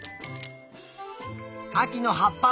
あきのはっぱ